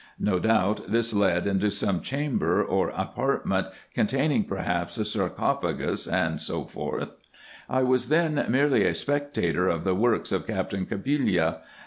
No doubt this led into some chamber, or apartment, containing, perhaps, a sarcophagus, &c. I was then merely a spectator of the works of Captain Cabillia.